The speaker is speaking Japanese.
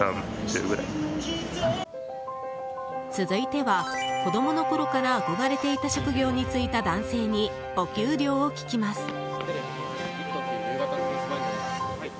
続いては、子どものころから憧れていた職業に就いた男性にお給料を聞きます。